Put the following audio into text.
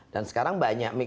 dan sekarang banyak